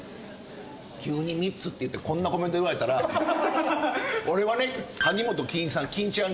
急に３つって言ってこんなコメント言われたら俺はね萩本欽一さん欽ちゃん